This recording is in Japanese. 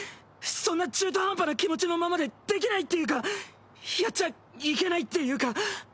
そんな中途半端な気持ちのままでできないっていうかやっちゃいけないっていうか。